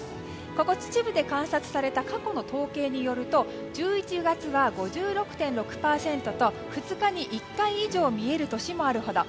ここ秩父で観察された過去の統計によると１１月は５６．６％と２日に１回以上見える年もあるほど。